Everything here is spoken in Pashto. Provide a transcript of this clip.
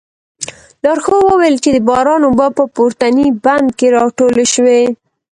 لارښود وویل چې د باران اوبه په پورتني بند کې راټولې شوې.